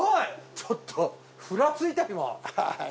ちょっとフラついた今。